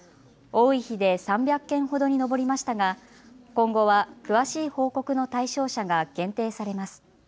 多い日で３００件ほどに上りましたが今後は詳しい報告の対象者が限定されます。